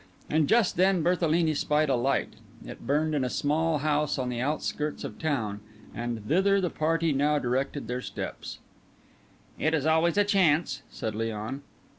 And just then Berthelini spied a light. It burned in a small house on the outskirts of the town, and thither the party now directed their steps. "It is always a chance," said Léon.